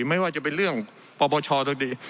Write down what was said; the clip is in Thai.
ไม่ว่าจะเป็นเรื่องปปชก็ดี